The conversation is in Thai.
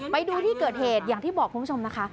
ไปดูที่เกิดเหตุอย่างที่บอกคุณผู้ชมนะคะ